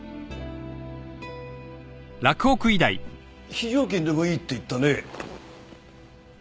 非常勤でもいいって言ったね。